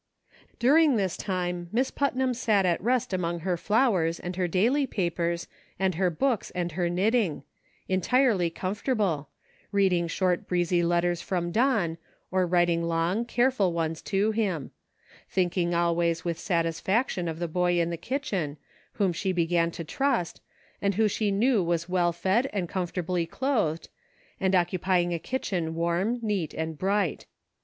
During this time Miss Putnam sat at rest among her flowers, and her daily papers, and her books, and her knitting ; entirely comfortable ; reading short breezy letters from Don, or writing long, careful ones to him ; thinking always with satis faction of the boy in the kitchen, whom she began to trust, and who she knew was well fed and com fortably clothed, and occupying a kitchen warm, and neat, and bright.